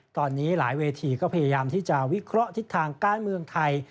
ตอนนี้หลายเวทีก็พยายามที่จะวิเคราะห์ทิศทางการเมืองไทย